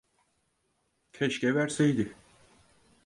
Keşke verseydi.